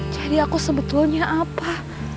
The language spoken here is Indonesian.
jadi aku sebetulnya apa